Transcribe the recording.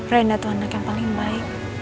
renda tuh anak yang paling baik